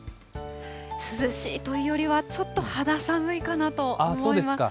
涼しいというよりは、ちょっと肌寒いかなと思います。